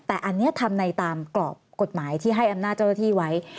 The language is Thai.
แต่อันนี้ทำในตามกรอบกฎหมายที่ให้อำนาจเจ้าหน้าที่ไว้